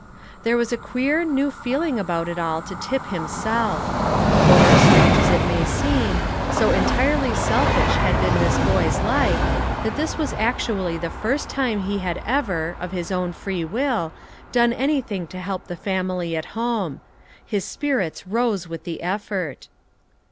There was a queer, new feeling about it all to Tip himself; for, strange as it may seem, so entirely selfish had been this boy's life, that this was actually the first time he had ever, of his own free will, done anything to help the family at home. His spirits rose with the effort.